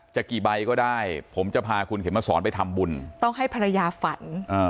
กี่ใบก็ได้ผมจะพาคุณเข็มมาสอนไปทำบุญต้องให้ภรรยาฝันอ่า